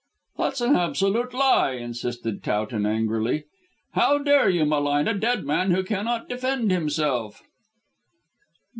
"That's an absolute lie," insisted Towton angrily. "How dare you malign a dead man who cannot defend himself!"